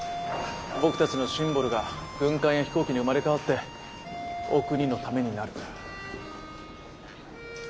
僕たちのシンボルが軍艦や飛行機に生まれ変わってお国のためになる。